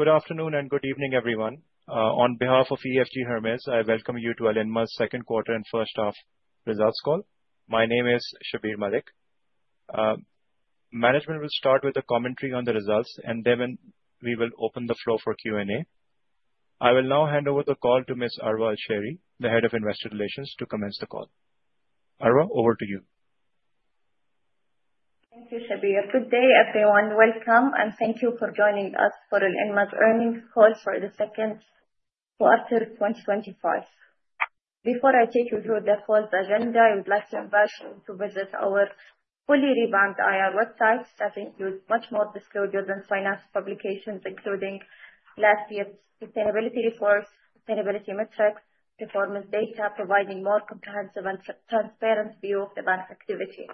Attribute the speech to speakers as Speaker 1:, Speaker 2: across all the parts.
Speaker 1: Good afternoon and good evening, everyone. On behalf of EFG Hermes, I welcome you to Alinma's second quarter and first half results call. My name is Shabbir Malik. Management will start with a commentary on the results. Then we will open the floor for Q&A. I will now hand over the call to Ms. Arwa Alshehri, the Head of Investor Relations, to commence the call. Arwa, over to you.
Speaker 2: Thank you, Shabbir. Good day, everyone. Welcome, and thank you for joining us for Alinma's earnings call for the second quarter of 2025. Before I take you through the call's agenda, I would like to invite you to visit our fully revamped IR website that includes much more disclosures and finance publications, including last year's sustainability reports, sustainability metrics, performance data, providing more comprehensive and transparent view of the bank's activity.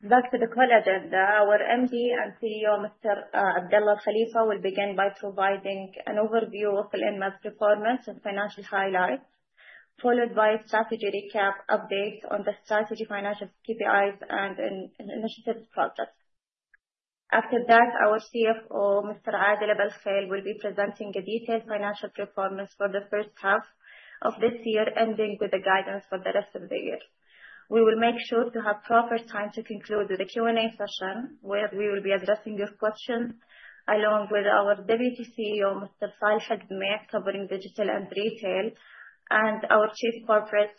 Speaker 2: Back to the call agenda. Our MD and CEO, Mr. Abdullah AlKhalifa, will begin by providing an overview of Alinma's performance and financial highlights, followed by strategy recap updates on the strategy financial KPIs and initiatives progress. After that, our CFO, Mr. Adel Abalkhail, will be presenting a detailed financial performance for the first half of this year, ending with the guidance for the rest of the year. We will make sure to have proper time to conclude with the Q&A session, where we will be addressing your questions, along with our Deputy CEO, Mr. Faisal Al Jamea, covering digital and retail, and our Chief Corporate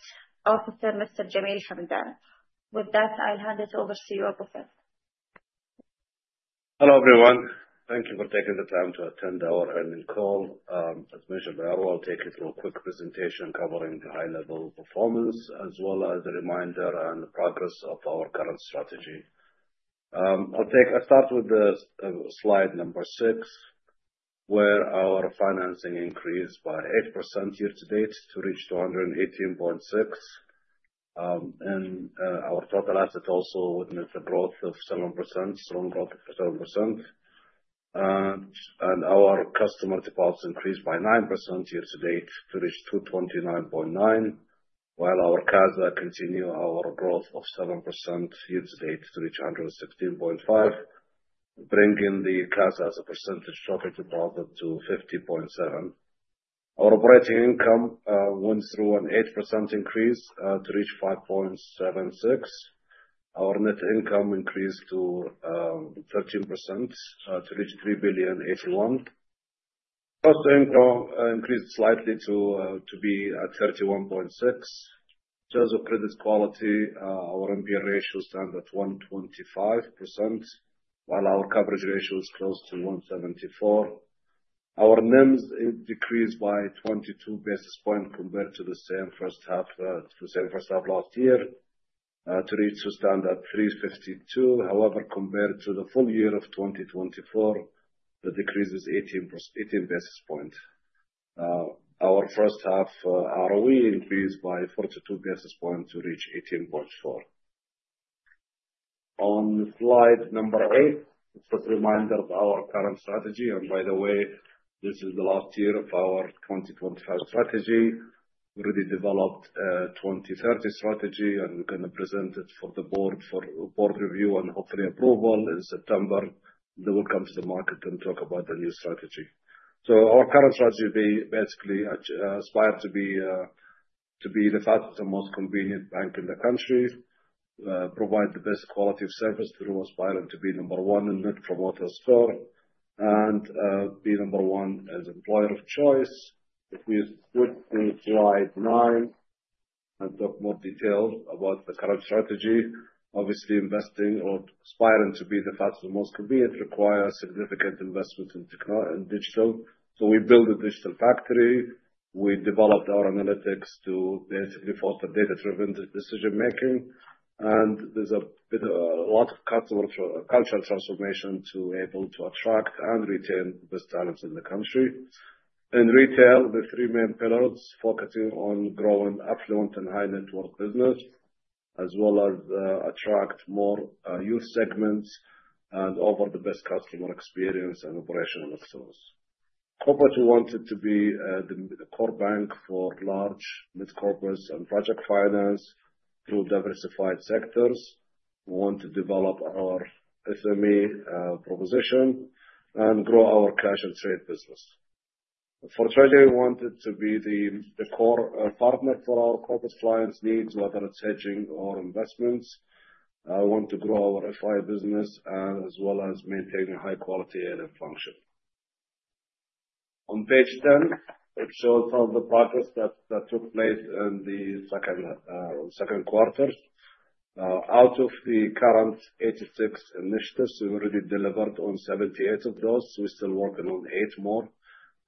Speaker 2: Officer, Mr. Jameel AlHamdan. With that, I'll hand it over to you, Abdullah.
Speaker 3: Hello, everyone. Thank you for taking the time to attend our earnings call. As mentioned by Arwa, I'll take you through a quick presentation covering the high-level performance as well as a reminder on the progress of our current strategy. I'll start with slide number six, where our financing increased by 8% year-to-date to reach 218.6. Our total assets also witnessed a growth of 7%, strong growth of 7%. Our customer deposits increased by 9% year-to-date to reach 229.9, while our CASA continue our growth of 7% year-to-date to reach 116.5, bringing the CASA as a percentage of total deposit to 50.7%. Our operating income went through an 8% increase, to reach 5.76. Our net income increased to 13%, to reach 3.081 billion. Cost income increased slightly to be at 31.6%. In terms of credit quality, our NPL ratio stands at 125%, while our coverage ratio is close to 174%. Our NIMs decreased by 22 basis points compared to the same first half last year, to reach a standard at 3.52%. However, compared to the full year of 2024, the decrease is 18 basis points. Our first half ROE increased by 42 basis points to reach 18.4%. On slide number eight, a quick reminder of our current strategy. By the way, this is the last year of our 2025 strategy. We already developed a 2030 strategy, and we're going to present it for the board for board review and hopefully approval in September. We'll come to the market and talk about the new strategy. Our current strategy, we basically aspire to be the fastest and most convenient bank in the country, provide the best quality of service through aspiring to be number one in Net Promoter Score, and be number one as employer of choice. If we flip to slide nine, I'll talk more detail about the current strategy. Obviously, investing or aspiring to be the fastest and most convenient requires significant investment in digital. We built a digital factory. We developed our analytics to enable for data-driven decision making. There's been a lot of cultural transformation to be able to attract and retain the best talents in the country. In retail, the three main pillars focusing on growing affluent and high-net-worth business, as well as attract more youth segments and offer the best customer experience and operational excellence. Corporate, we wanted to be the core bank for large mid-corporates and project finance through diversified sectors. We want to develop our SME proposition and grow our cash and trade business. For treasury, we wanted to be the core partner for our corporate clients' needs, whether it's hedging or investments. We want to grow our FI business as well as maintain a high quality and a function. On page 10, it shows all the progress that took place in the second quarter. Out of the current 86 initiatives, we've already delivered on 78 of those. We're still working on eight more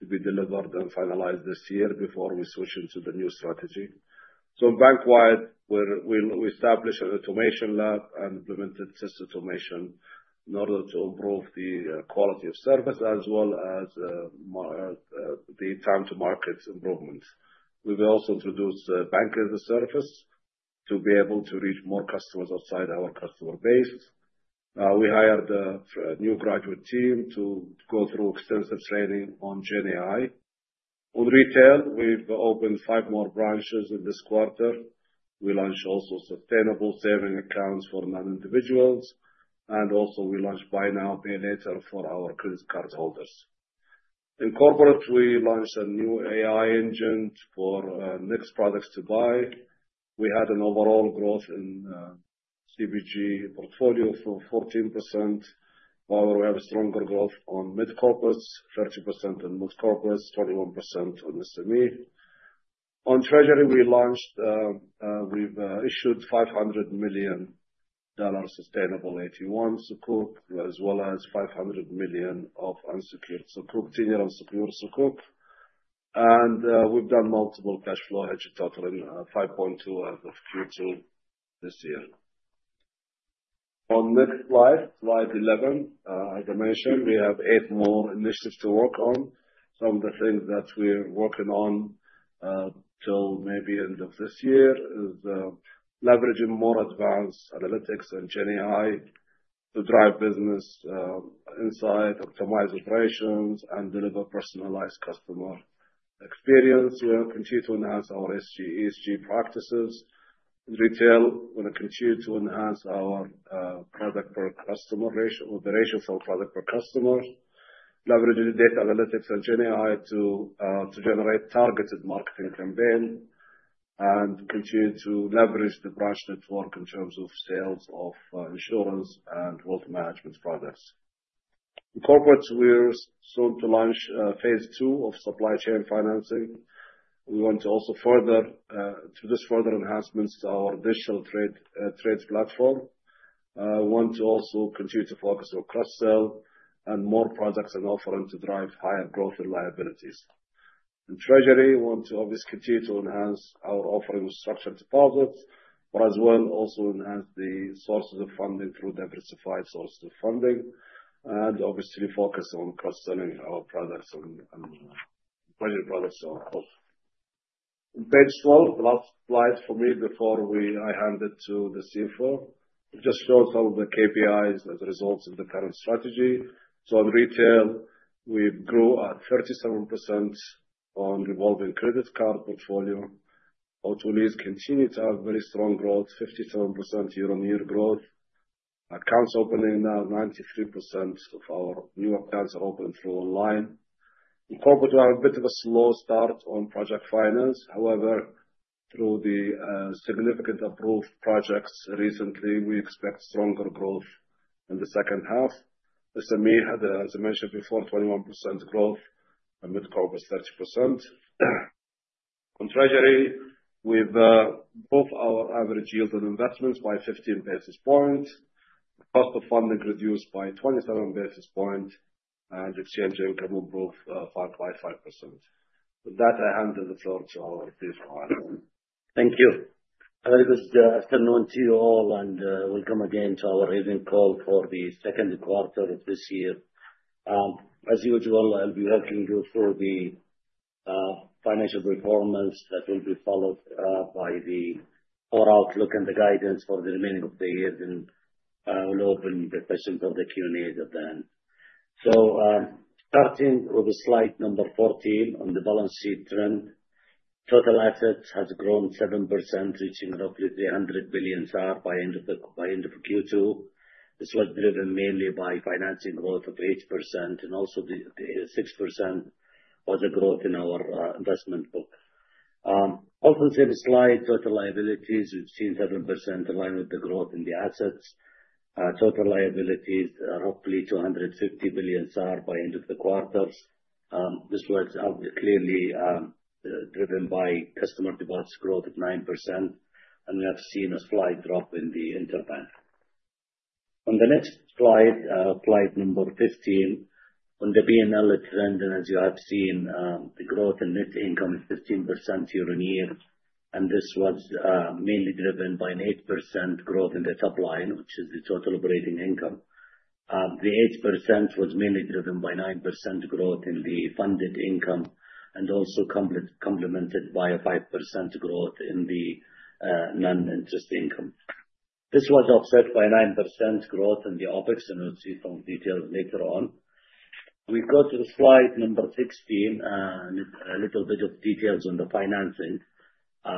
Speaker 3: to be delivered and finalized this year before we switch into the new strategy. Bank-wide, we established an automation lab and implemented system automation in order to improve the quality of service as well as the time to market improvements. We will also introduce Banking as a Service to be able to reach more customers outside our customer base. We hired a new graduate team to go through extensive training on GenAI. On retail, we've opened five more branches in this quarter. We launched also sustainable saving accounts for non-individuals, and also we launched Buy Now Pay Later for our credit card holders. In corporate, we launched a new AI engine for next products to buy. We had an overall growth in CPG portfolio of 14%, while we have a stronger growth on mid-corporates, 30% on mid-corporates, 21% on SME. On treasury, we've issued $500 million sustainable AT1 Sukuk, as well as $500 million of unsecured Sukuk, 10-year unsecured Sukuk. We've done multiple cash flow hedges totaling $5.2 billion as of Q2 this year. On this slide 11, as I mentioned, we have eight more initiatives to work on. Some of the things that we're working on till maybe end of this year is leveraging more advanced analytics and GenAI to drive business insight, optimize operations, and deliver personalized customer experience. We will continue to enhance our ESG practices. In retail, we want to continue to enhance our product per customer ratio or the ratios of product per customer, leveraging the data analytics and GenAI to generate targeted marketing campaign, and continue to leverage the branch network in terms of sales of insurance and wealth management products. In corporate, we're soon to launch phase 2 of supply chain financing. We want to also do further enhancements to our digital trade platform. We want to also continue to focus on cross-sell and more products and offering to drive higher growth and liabilities. In treasury, we want to obviously continue to enhance our offering of structured deposits, as well also enhance the sources of funding through diversified sources of funding, obviously focus on cross-selling our products and treasury products. Page 12, the last slide for me before I hand it to the CFO. It just shows some of the KPIs as a result of the current strategy. In retail, we grew at 37% on revolving credit card portfolio. Auto lease continued to have very strong growth, 57% year-on-year growth. Accounts opening, now 93% of our newer accounts are opened through online. In corporate, we had a bit of a slow start on project finance. However, through the significant approved projects recently, we expect stronger growth in the second half. SME had, as I mentioned before, 21% growth and mid-corporate 30%. On treasury, we've improved our average yield on investments by 15 basis points. Cost of funding reduced by 27 basis points, exchange income improved by 5%. With that, I hand over the floor to our CFO, Alin.
Speaker 4: Thank you. A very good afternoon to you all, welcome again to our earnings call for the second quarter of this year. As usual, I'll be walking you through the financial performance that will be followed by the overall outlook and the guidance for the remaining of the year. I will open the questions of the Q&A at the end. Starting with the slide number 14 on the balance sheet trend. Total assets has grown 7%, reaching roughly 300 billion SAR by end of Q2. This was driven mainly by financing growth of 8% and also the 6% was the growth in our investment book. In this slide, total liabilities, we've seen 7% align with the growth in the assets. Total liabilities are roughly 250 billion SAR by end of the quarter. This was clearly driven by customer deposits growth of 9%, we have seen a slight drop in the interbank. On the next slide 15 on the P&L trend. As you have seen, the growth in net income is 15% year-on-year, this was mainly driven by an 8% growth in the top line, which is the total operating income. The 8% was mainly driven by 9% growth in the funded income and also complemented by a 5% growth in the non-interest income. This was offset by a 9% growth in the OpEx, we'll see some details later on. We go to slide 16, a little bit of details on the financing. 8%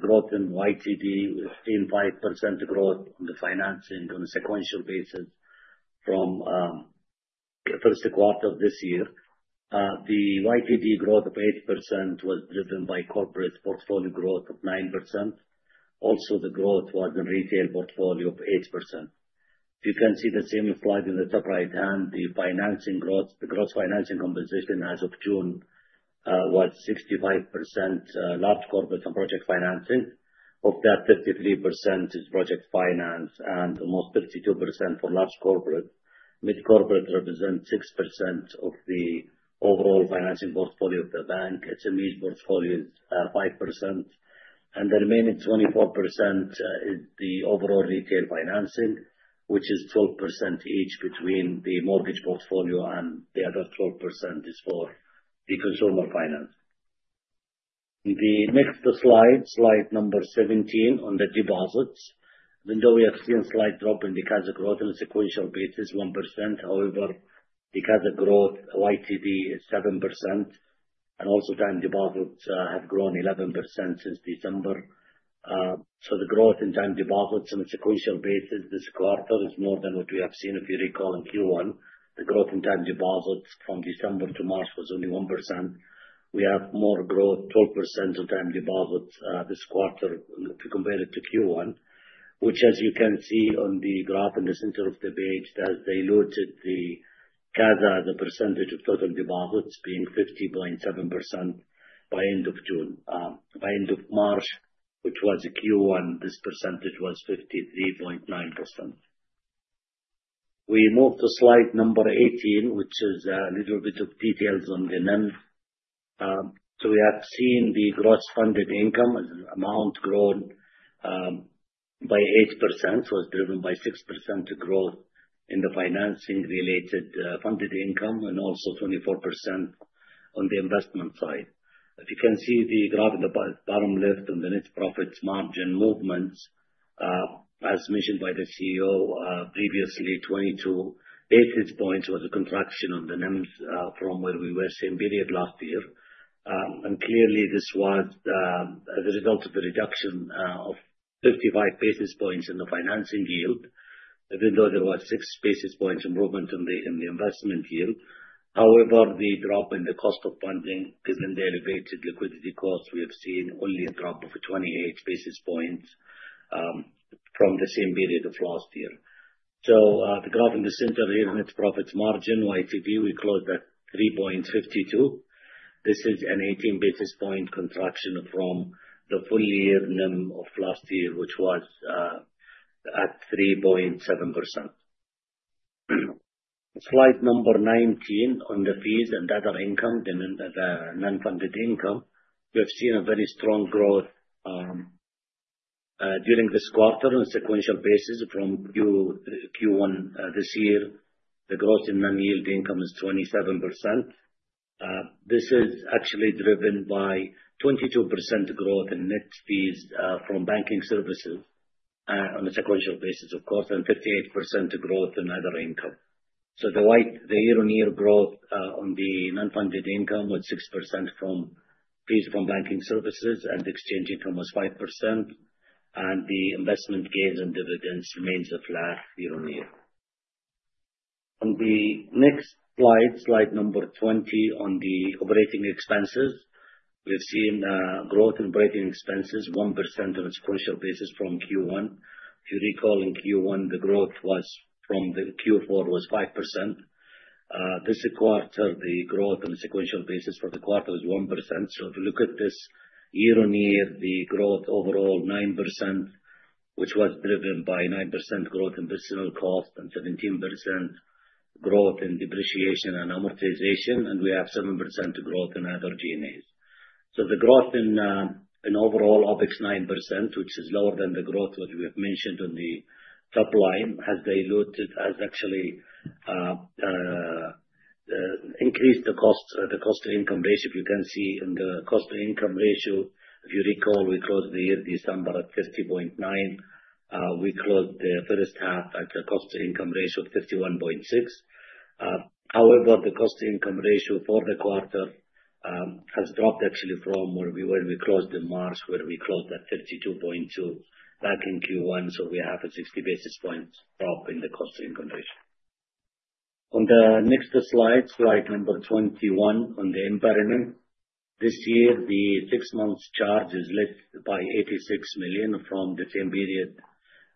Speaker 4: growth in YTD with 15.5% growth on the financing on a sequential basis from first quarter of this year. The YTD growth of 8% was driven by corporate portfolio growth of 9%. The growth was in retail portfolio of 8%. You can see the same applied in the top right-hand, the gross financing composition as of June, was 65% large corporate and project financing. Of that, 53% is project finance and almost 52% for large corporate. Mid-corporate represents 6% of the overall financing portfolio of the bank. SME portfolio is 5%. The remaining 24% is the overall retail financing, which is 12% each between the mortgage portfolio and the other 12% is for the consumer finance. In the next slide 17 on the deposits. Even though we have seen a slight drop in the CASA growth on a sequential basis, 1%, however, the CASA growth YTD is 7% and also time deposits have grown 11% since December. The growth in time deposits on a sequential basis this quarter is more than what we have seen if you recall in Q1. The growth in time deposits from December to March was only 1%. We have more growth, 12% on time deposits this quarter if you compare it to Q1, which as you can see on the graph in the center of the page that diluted the CASA, the percentage of total deposits being 50.7% by end of March, which was Q1, this percentage was 53.9%. We move to slide 18, which is a little bit of details on the NIM. We have seen the gross funded income amount grown by 8%, it's driven by 6% growth in the financing related funded income and also 24% on the investment side. If you can see the graph on the bottom left on the net profits margin movements, as mentioned by the CEO previously, 22 basis points was a contraction on the NIM from where we were same period last year. Clearly this was as a result of the reduction of 55 basis points in the financing yield, even though there was six basis points improvement in the investment yield. However, the drop in the cost of funding given the elevated liquidity costs we have seen only a drop of 28 basis points from the same period of last year. The graph in the center here, net profits margin YTD, we closed at 3.52. This is an 18 basis point contraction from the full year NIM of last year, which was at 3.7%. Slide 19 on the fees and other income, the non-funded income. We have seen a very strong growth during this quarter on a sequential basis from Q1 this year. The growth in non-yield income is 27%. This is actually driven by 22% growth in net fees from banking services, on a sequential basis of course, and 58% growth in other income. The year-on-year growth on the non-funded income was 6% from fees from banking services and exchange income was 5%, and the investment gains and dividends remains flat year-on-year. On the next slide number 20 on the operating expenses. We've seen a growth in operating expenses, 1% on a sequential basis from Q1. If you recall, in Q1, the growth from the Q4 was 5%. This quarter, the growth on a sequential basis for the quarter was 1%. If you look at this year-on-year, the growth overall 9%, which was driven by 9% growth in personnel cost and 17% growth in depreciation and amortization, and we have 7% growth in other G&A. The growth in overall OpEx 9%, which is lower than the growth that we have mentioned on the top line, has diluted, has actually increased the cost to income ratio. If you can see in the cost to income ratio, if you recall, we closed the year in December at 50.9. We closed the first half at a cost to income ratio of 51.6. However, the cost to income ratio for the quarter has dropped actually from where we were when we closed in March, where we closed at 52.2 back in Q1. We have a 60 basis point drop in the cost to income ratio. On the next slide number 21 on the impairment. This year, the six months charge is less by 86 million from the same period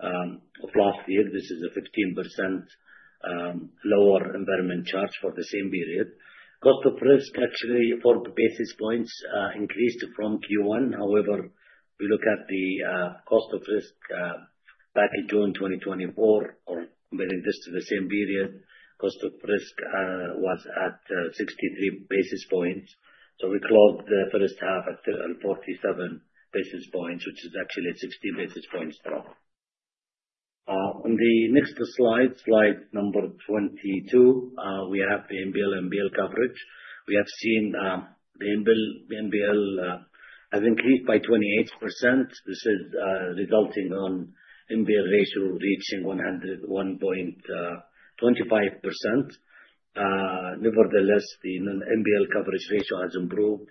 Speaker 4: of last year. This is a 15% lower impairment charge for the same period. Cost of risk actually four basis points increased from Q1. However, if we look at the cost of risk back in June 2024 or comparing this to the same period, cost of risk was at 63 basis points. We closed the first half at 47 basis points, which is actually a 60 basis point drop. On the next slide number 22, we have the NPL MBL coverage. We have seen the NPL has increased by 28%. This is resulting on MBL ratio reaching 101.25%. Nevertheless, the non-MBL coverage ratio has improved.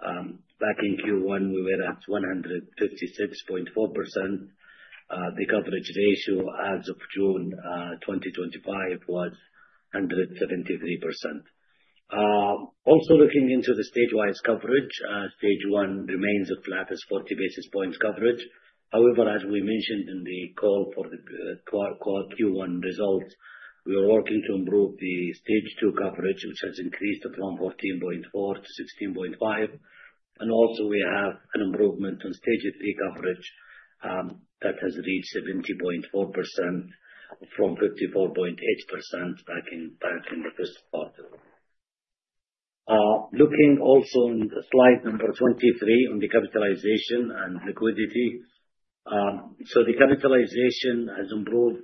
Speaker 4: Back in Q1, we were at 156.4%. The coverage ratio as of June 2025 was 173%. Also looking into the stage wise coverage, stage 1 remains flat as 40 basis points coverage. However, as we mentioned in the call for the Q1 results, we are working to improve the stage 2 coverage, which has increased from 14.4 to 16.5. We have an improvement on stage 3 coverage, that has reached 70.4% from 54.8% back in the first quarter. Looking also on slide number 23 on the capitalization and liquidity. The capitalization has improved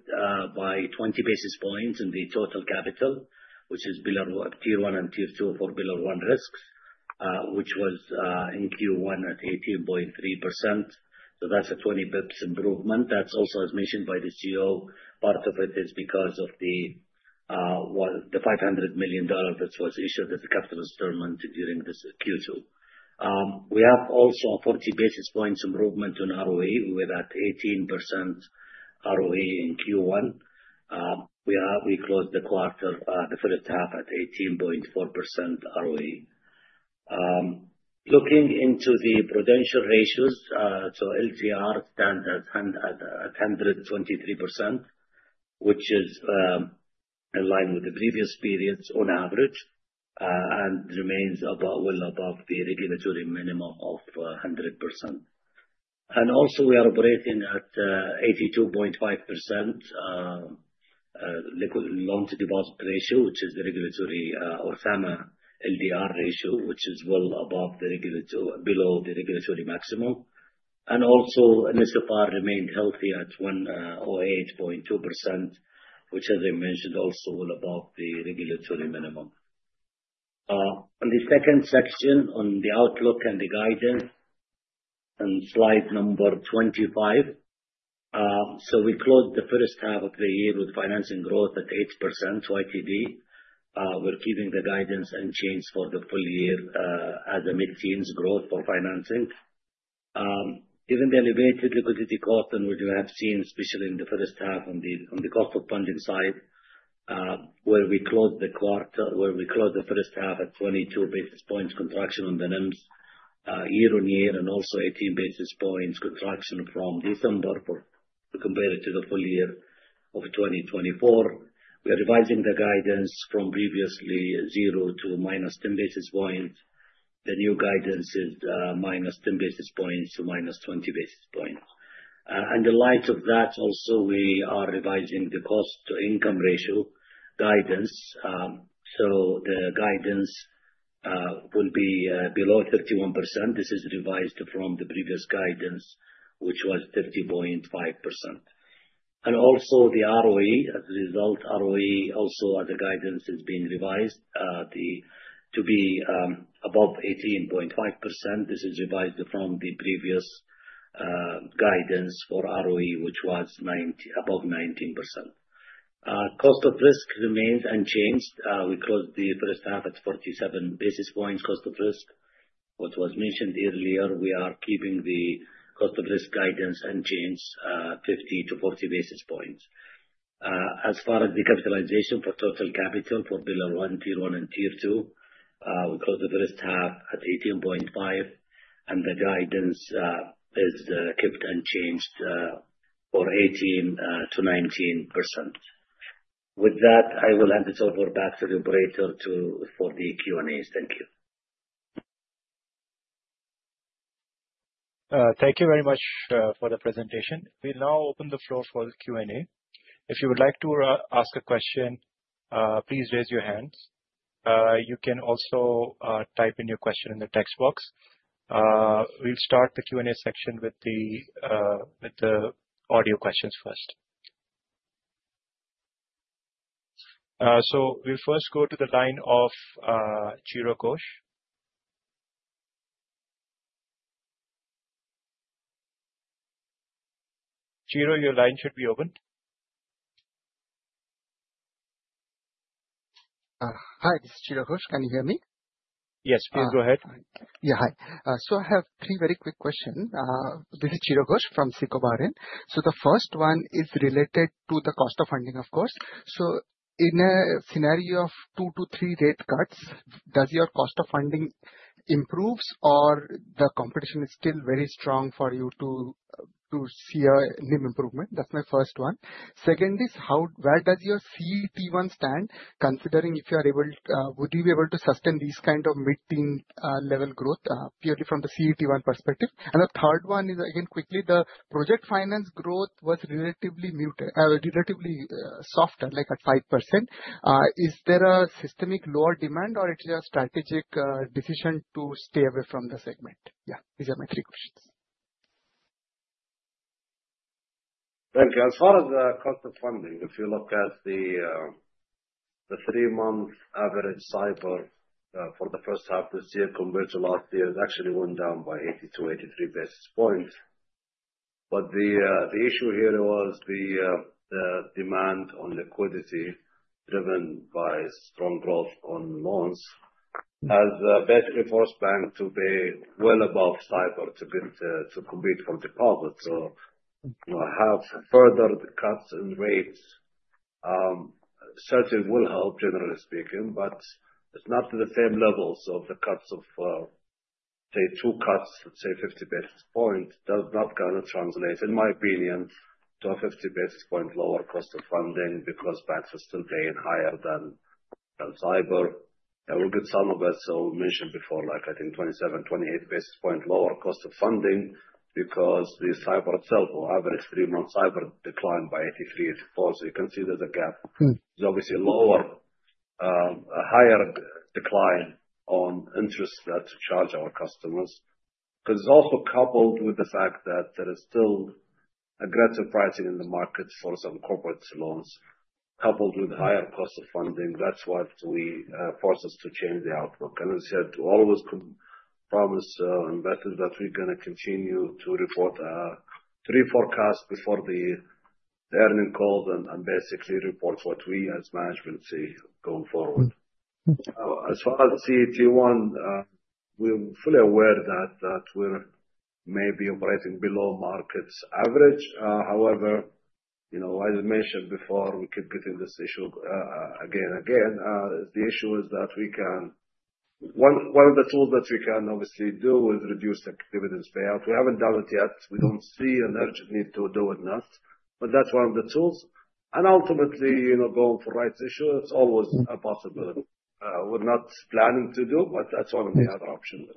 Speaker 4: by 20 basis points in the total capital, which is pillar one, Tier 1 and Tier 2 for pillar one risks, which was in Q1 at 18.3%. That's a 20 basis points improvement. That's also as mentioned by the CEO, part of it is because of the $500 million that was issued as a capital instrument during this Q2. We have also a 40 basis points improvement on ROE. We were at 18% ROE in Q1. We closed the first half at 18.4% ROE. Looking into the prudential ratios, LCR stands at 123%, which is in line with the previous periods on average, and remains well above the regulatory minimum of 100%. We are operating at 82.5% liquid loan-to-deposit ratio, which is the regulatory, or SAMA LDR ratio, which is well below the regulatory maximum. NSFR remained healthy at 108.2%, which as I mentioned, also well above the regulatory minimum. On the second section on the outlook and the guidance on slide number 25. We closed the first half of the year with financing growth at 8% YTD. We're keeping the guidance unchanged for the full year as a mid-teens growth for financing. Given the elevated liquidity cost and we do have seen especially in the first half on the cost of funding side, where we closed the first half at 22 basis points contraction on the NIMs, year-on-year, and also 18 basis points contraction from December, compared to the full year of 2024. We are revising the guidance from previously 0 to -10 basis points. The new guidance is -10 basis points to -20 basis points. In the light of that, also, we are revising the cost to income ratio guidance. The guidance will be below 31%. This is revised from the previous guidance, which was 30.5%. Also the ROE, as a result, ROE also as a guidance has been revised to be above 18.5%. This is revised from the previous guidance for ROE, which was above 19%. Cost of risk remains unchanged. We closed the first half at 47 basis points cost of risk. What was mentioned earlier, we are keeping the cost of risk guidance unchanged, 50-40 basis points. As far as the capitalization for total capital for pillar one, Tier 1 and Tier 2, we closed the first half at 18.5% and the guidance is kept unchanged for 18%-19%. With that, I will hand it over back to the operator for the Q&A. Thank you.
Speaker 1: Thank you very much for the presentation. We now open the floor for Q&A. If you would like to ask a question, please raise your hands. You can also type in your question in the text box. We'll start the Q&A section with the audio questions first. We'll first go to the line of Chirag Ghosh. Chirag, your line should be open.
Speaker 5: Hi, this is Chirag Ghosh. Can you hear me?
Speaker 1: Yes, please go ahead.
Speaker 5: Hi. I have three very quick questions. This is Chirag Ghosh from SICO BSC. The first one is related to the cost of funding, of course. In a scenario of two to three rate cuts, does your cost of funding improve or the competition is still very strong for you to see a NIM improvement? That's my first one. Second is, where does your CET1 stand considering would you be able to sustain this kind of mid-teen level growth, purely from the CET1 perspective? The third one is, again, quickly, the project finance growth was relatively softer, like at 5%. Is there a systemic lower demand or it's a strategic decision to stay away from the segment? These are my three questions.
Speaker 4: Thank you. As far as the cost of funding, if you look at the three-month average SAIBOR for the first half this year compared to last year, it actually went down by 82, 83 basis points. The issue here was the demand on liquidity driven by strong growth on loans as banks are forced back to be well above SAIBOR to compete on deposits. To have further cuts in rates, certainly will help, generally speaking, but it's not to the same level. The cuts of, say two cuts at, say, 50 basis points does not going to translate, in my opinion, to a 50 basis point lower cost of funding because banks are still paying higher than SAIBOR. There will be some of it. mentioned before, like I think 27, 28 basis points lower cost of funding because the SAIBOR itself or average three-month SAIBOR declined by 83, 84 basis points. You can see there's a gap. It's obviously lower
Speaker 3: A higher decline on interest that charge our customers. It's also coupled with the fact that there is still aggressive pricing in the market for some corporate loans, coupled with higher cost of funding. That's what forces us to change the outlook. As I said, we always promise investors that we're going to continue to report our three forecasts before the earning calls, and basically report what we as management see going forward. As far as CET1, we're fully aware that we're maybe operating below market's average. However, as mentioned before, we keep getting this issue again and again. The issue is that one of the tools that we can obviously do is reduce the dividends payout. We haven't done it yet. We don't see an urgent need to do it now, but that's one of the tools. Ultimately, going for rights issue, it's always a possibility. We're not planning to do, but that's one of the other options.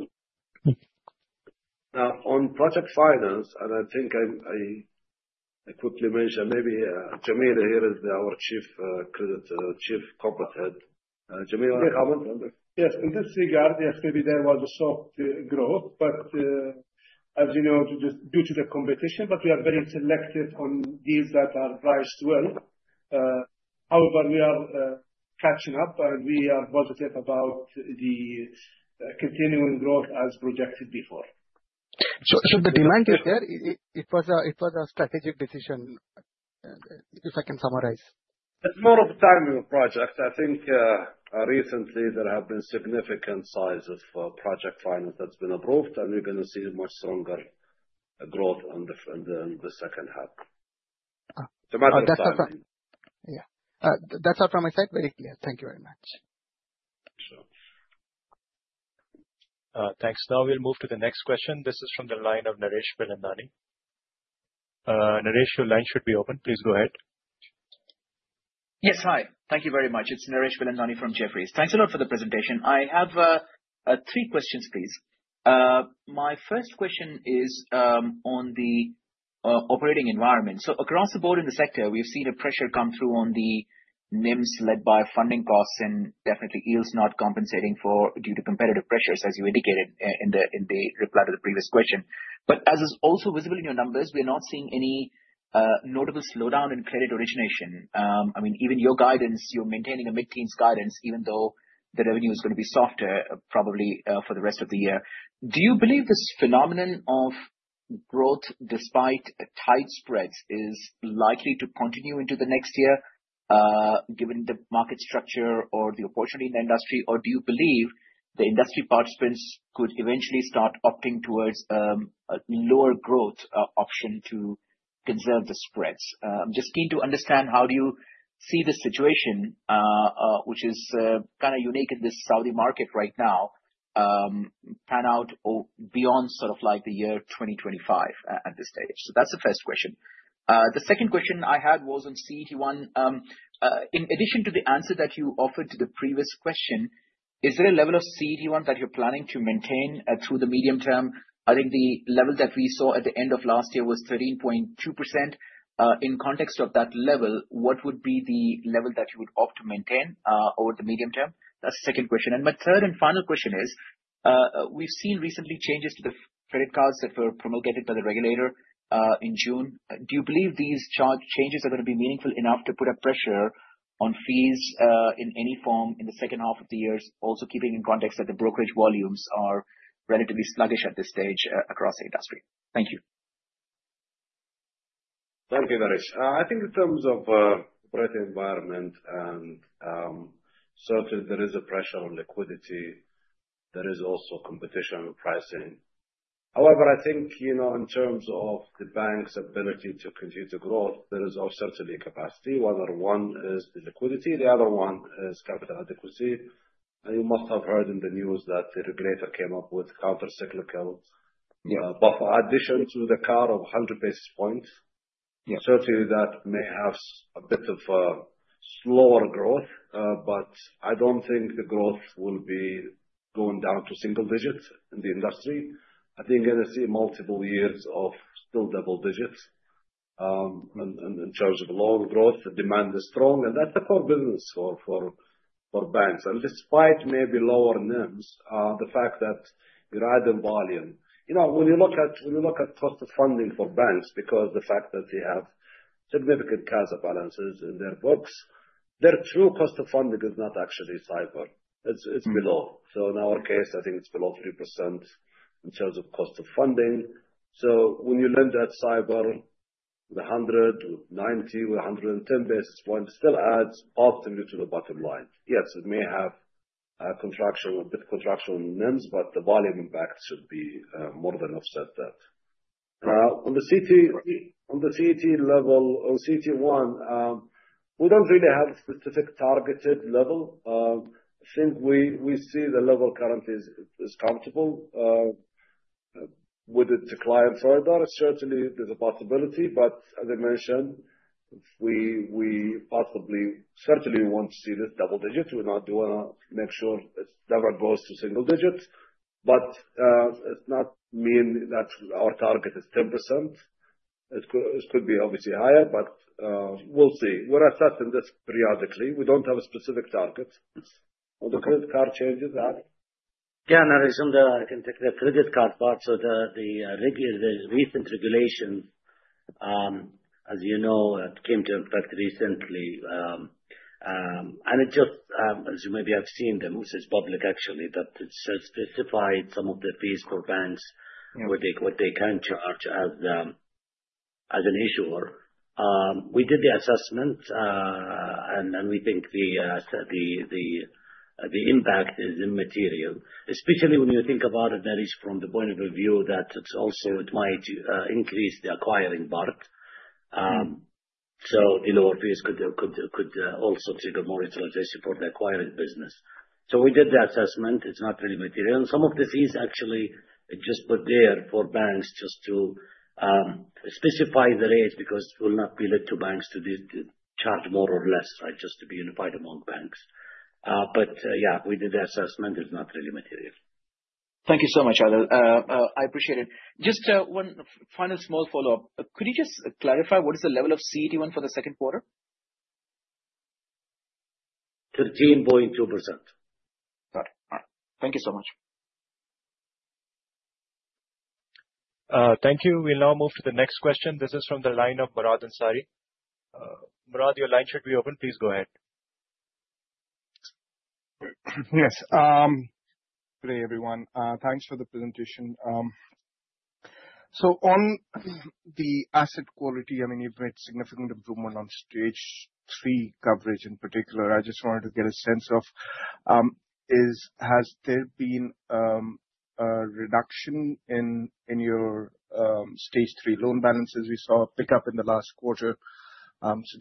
Speaker 3: On project finance, and I think I quickly mentioned, maybe Jamila here is our chief credit, chief corporate head. Jamila, do you want to comment on this?
Speaker 6: Yes. In this regard, yes, maybe there was a soft growth. As you know, due to the competition, we are very selective on deals that are priced well. However, we are catching up, and we are positive about the continuing growth as projected before.
Speaker 5: The demand is there. It was a strategic decision, if I can summarize.
Speaker 3: It's more of the timing of projects. I think recently there have been significant size of project finance that's been approved, and we're going to see a much stronger growth in the second half. It's a matter of timing.
Speaker 5: Yeah. That's all from my side. Very clear. Thank you very much.
Speaker 3: Sure.
Speaker 1: Thanks. We'll move to the next question. This is from the line of Naresh Velandani. Naresh, your line should be open. Please go ahead.
Speaker 7: Yes. Hi. Thank you very much. It's Naresh Velandani from Jefferies. Thanks a lot for the presentation. I have three questions, please. My first question is on the operating environment. Across the board in the sector, we've seen a pressure come through on the NIMs led by funding costs and definitely yields not compensating due to competitive pressures, as you indicated in the reply to the previous question. As is also visible in your numbers, we are not seeing any notable slowdown in credit origination. Even your guidance, you're maintaining a mid-teens guidance, even though the revenue is going to be softer probably for the rest of the year. Do you believe this phenomenon of growth despite tight spreads is likely to continue into the next year, given the market structure or the opportunity in the industry? Do you believe the industry participants could eventually start opting towards a lower growth option to conserve the spreads? I'm just keen to understand how do you see this situation, which is kind of unique in this Saudi market right now, pan out beyond sort of like the year 2025 at this stage? That's the first question. The second question I had was on CET1. In addition to the answer that you offered to the previous question, is there a level of CET1 that you're planning to maintain through the medium term? I think the level that we saw at the end of last year was 13.2%. In context of that level, what would be the level that you would opt to maintain over the medium term? That's the second question. My third and final question is, we've seen recently changes to the credit cards that were promulgated by the regulator, in June. Do you believe these changes are going to be meaningful enough to put a pressure on fees, in any form in the second half of the year? Also keeping in context that the brokerage volumes are relatively sluggish at this stage across the industry. Thank you.
Speaker 3: Thank you, Naresh. I think in terms of credit environment, certainly there is a pressure on liquidity. There is also competition on pricing. However, I think in terms of the bank's ability to continue to grow, there is also certainly a capacity. One is the liquidity, the other one is capital adequacy. You must have heard in the news that the regulator came up with countercyclical buffer addition to the CAR of 100 basis points.
Speaker 7: Yeah.
Speaker 3: Certainly, that may have a bit of a slower growth, but I don't think the growth will be going down to single digits in the industry. I think we're going to see multiple years of still double digits. In terms of loan growth, the demand is strong, and that's the core business for banks. Despite maybe lower NIMs, the fact that you're adding volume. When you look at cost of funding for banks, because the fact that they have significant CASA balances in their books, their true cost of funding is not actually 5, it's below. In our case, I think it's below 3% in terms of cost of funding. When you lend at 5, with 100, with 90, with 110 basis points still adds optimally to the bottom line. Yes, it may have a bit contraction in NIMs, but the volume impact should more than offset that. On the CET level, on CET1, we don't really have a specific targeted level. I think we see the level currently is comfortable. Would it decline further? Certainly, there's a possibility, but as I mentioned, we possibly, certainly want to see this double digit. We want to make sure it never goes to single digits. It does not mean that our target is 10%. It could be obviously higher, but we'll see. We're assessing this periodically. We don't have a specific target on the credit card changes.
Speaker 4: Yeah, I assume that I can take the credit card part. The recent regulations, as you know, came to effect recently. It just, as you maybe have seen them, this is public actually, but it specified some of the fees for banks- What they can charge as an issuer. We did the assessment, we think the impact is immaterial. Especially when you think about it, that is from the point of view that it might increase the acquiring part. Lower fees could also trigger more utilization for the acquiring business. We did the assessment, it's not really material. Some of the fees, actually, are just put there for banks just to specify the rates, because it will not be left to banks to charge more or less. Just to be unified among banks. Yeah, we did the assessment, it's not really material.
Speaker 7: Thank you so much, Adel. I appreciate it. Just one final small follow-up. Could you just clarify what is the level of CET1 for the second quarter?
Speaker 4: 13.2%.
Speaker 7: Got it. Thank you so much.
Speaker 1: Thank you. We now move to the next question. This is from the line of Murad Ansari. Murad, your line should be open. Please go ahead.
Speaker 8: Yes. Good day, everyone. Thanks for the presentation. On the asset quality, you've made significant improvement on Stage 3 coverage in particular. I just wanted to get a sense of, has there been a reduction in your Stage 3 loan balances? We saw a pickup in the last quarter.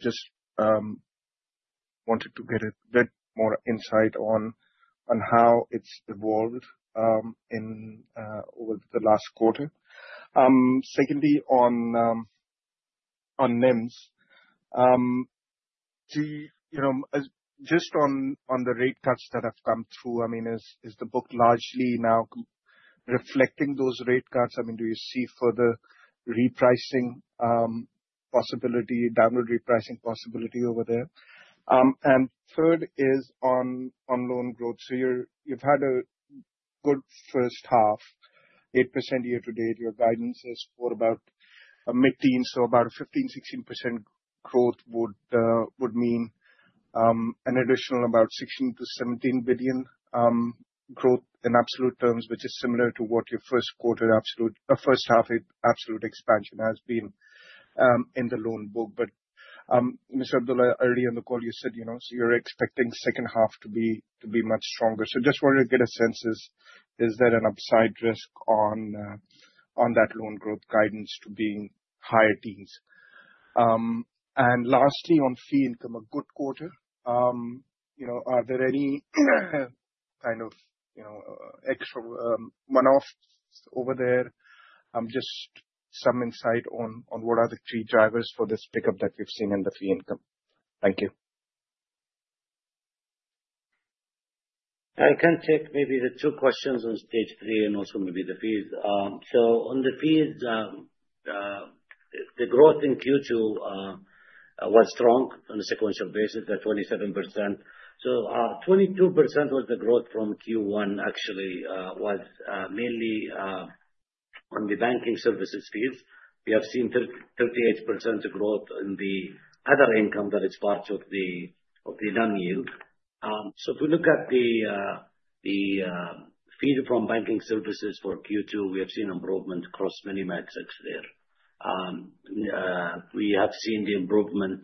Speaker 8: Just wanted to get a bit more insight on, how it's evolved over the last quarter. Secondly, on NIMs. Just on the rate cuts that have come through, is the book largely now reflecting those rate cuts? Do you see further downward repricing possibility over there? Third is on loan growth. You've had a good first half, 8% year to date. Your guidance is for about mid-teens, about 15%-16% growth would mean an additional about 16 billion-17 billion growth in absolute terms, which is similar to what your first half absolute expansion has been, in the loan book. Mr. Abdullah, earlier in the call you said, you're expecting second half to be much stronger. Just wanted to get a sense, is there an upside risk on that loan growth guidance to being higher teens? Lastly, on fee income, a good quarter. Are there any extra one-offs over there? Just some insight on what are the key drivers for this pickup that we've seen in the fee income. Thank you.
Speaker 4: I can take maybe the two questions on Stage 3 and also maybe the fees. On the fees, the growth in Q2 was strong on a sequential basis at 27%. 22% was the growth from Q1, actually, was mainly on the banking services fees. We have seen 38% growth in the other income that is part of the non-yield. If we look at the fee from banking services for Q2, we have seen improvement across many metrics there. We have seen the improvement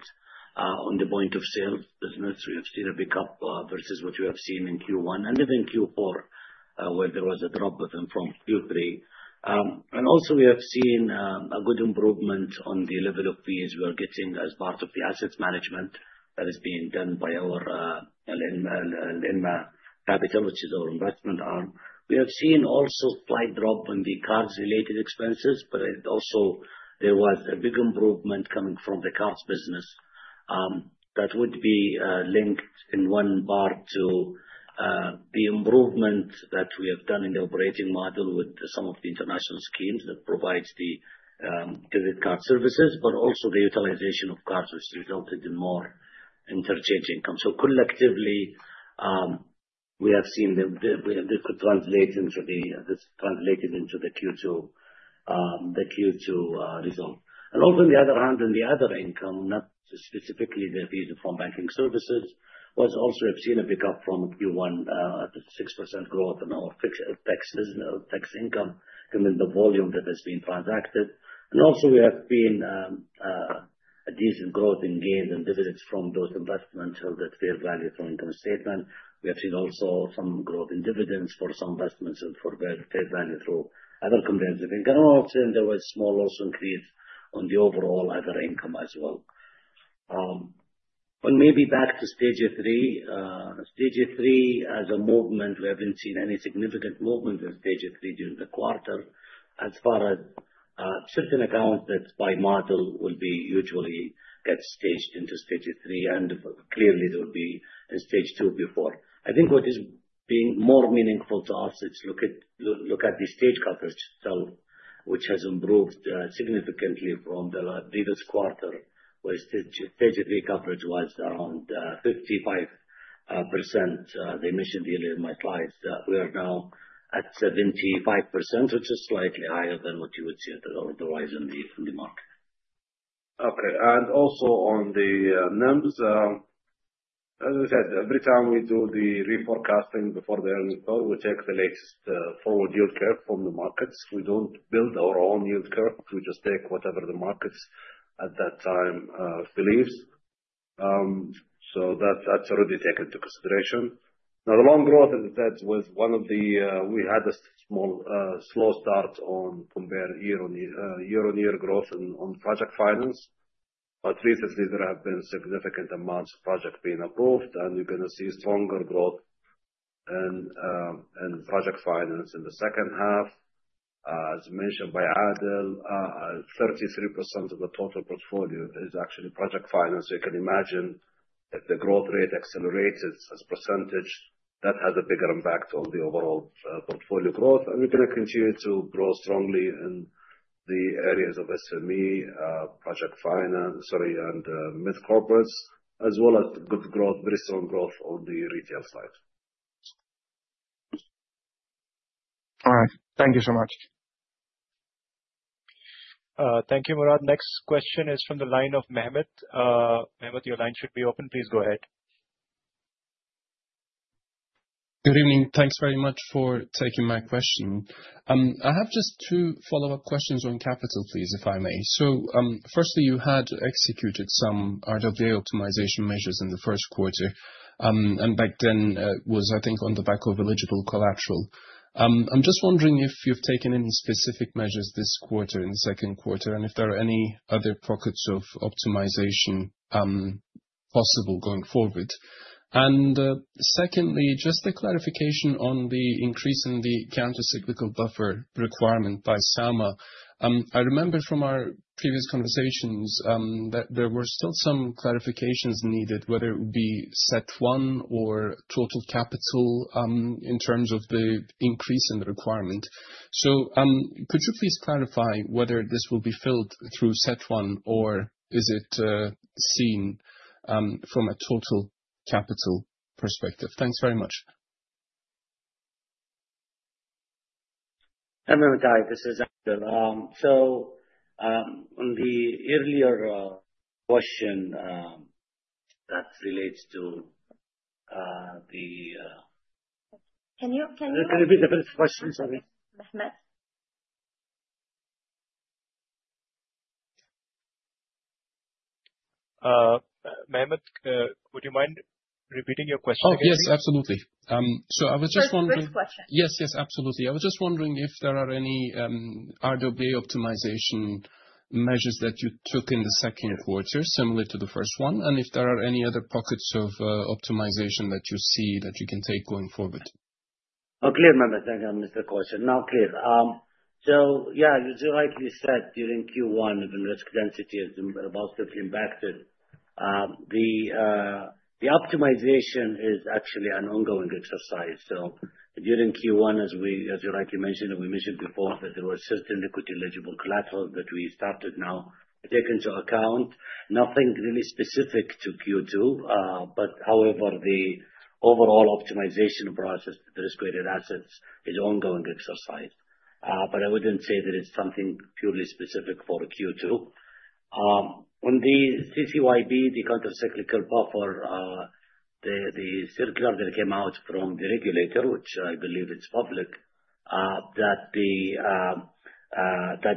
Speaker 4: on the point of sales business. We have seen a pickup versus what we have seen in Q1, and even in Q4, where there was a drop from Q3. We have seen a good improvement on the level of fees we are getting as part of the assets management that is being done by our Alinma Investment, which is our investment arm. We have seen also slight drop on the cards related expenses, there was a big improvement coming from the cards business. That would be linked in one part to the improvement that we have done in the operating model with some of the international schemes that provides the credit card services, the utilization of cards, which resulted in more interchange income. Collectively, this translated into the Q2 result. On the other hand, in the other income, not specifically the fees from banking services, was also we've seen a pickup from Q1, 6% growth in our tax income given the volume that has been transacted. We have seen a decent growth in gains and dividends from those investments that fair value from income statement. We have seen some growth in dividends for some investments and for fair value through other comprehensive income. There was small loss increase on the overall other income as well. Maybe back to Stage 3. Stage 3, as a movement, we haven't seen any significant movement in Stage 3 during the quarter. As far as certain accounts that by March will be usually get staged into Stage 3, and clearly there will be a Stage 2 before. I think what is being more meaningful to us is look at the stage coverage, which has improved significantly from the previous quarter, where Stage 3 coverage was around 55%, the emission delivery in my slides. We are now at 75%, which is slightly higher than what you would see as the rise in the market.
Speaker 3: Okay. On the numbers, as I said, every time we do the reforecasting before the earnings call, we take the latest forward yield curve from the markets. We don't build our own yield curve. We just take whatever the markets at that time believes. That's already taken into consideration. The loan growth, as I said, we had a small slow start on compare year-on-year growth on project finance. Recently there have been significant amounts of projects being approved, and we're going to see stronger growth in project finance in the second half. As mentioned by Adel, 33% of the total portfolio is actually project finance. You can imagine if the growth rate accelerates as percentage, that has a bigger impact on the overall portfolio growth. We're going to continue to grow strongly in the areas of SME, project finance, sorry, and mid-corporate, as well as good growth, very strong growth on the retail side.
Speaker 4: All right. Thank you so much.
Speaker 1: Thank you, Murad. Next question is from the line of Mehmet. Mehmet, your line should be open. Please go ahead.
Speaker 9: Good evening. Thanks very much for taking my question. I have just two follow-up questions on capital, please, if I may. Firstly, you had executed some RWA optimization measures in the first quarter, and back then was, I think, on the back of eligible collateral. I am just wondering if you've taken any specific measures this quarter, in the second quarter, and if there are any other pockets of optimization possible going forward. Secondly, just a clarification on the increase in the Countercyclical buffer requirement by SAMA. I remember from our previous conversations that there were still some clarifications needed, whether it would be CET1 or total capital, in terms of the increase in the requirement. Could you please clarify whether this will be filled through CET1 or is it seen from a total capital perspective? Thanks very much.
Speaker 4: Hi, this is Adel. On the earlier question that relates to the.
Speaker 2: Can you-
Speaker 1: Can you repeat the first question? Sorry.
Speaker 2: Mehmet.
Speaker 1: Mehmet, would you mind repeating your question again?
Speaker 9: Oh, yes, absolutely. I was just wondering.
Speaker 2: First question.
Speaker 9: Yes, absolutely. I was just wondering if there are any RWA optimization measures that you took in the second quarter similar to the first one, and if there are any other pockets of optimization that you see that you can take going forward.
Speaker 4: Oh, clear, Mehmet. Thank you. I missed the question. Now clear. Yeah, as you rightly said, during Q1, the risk density has been about 50 impacted. The optimization is actually an ongoing exercise. During Q1, as you rightly mentioned and we mentioned before, that there were certain liquidity eligible collateral that we started now take into account. Nothing really specific to Q2. However, the overall optimization process to the risk-weighted assets is ongoing exercise. I wouldn't say that it's something purely specific for Q2. On the CCYB, the countercyclical buffer, the circular that came out from the regulator, which I believe it's public, that